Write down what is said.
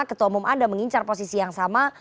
ketua umum anda mengincar posisi yang sama